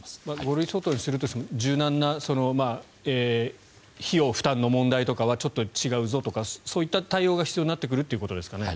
５類相当にするとしても柔軟な費用負担の問題とかはちょっと違うぞとかそういった対応が必要になってくるということですかね。